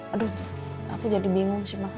aduh aku jadi bingung sih mak